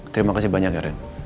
terima kasih banyak ren